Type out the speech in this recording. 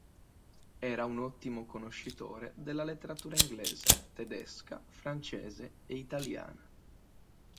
Era un ottimo conoscitore della letteratura inglese, tedesca, francese e italiana.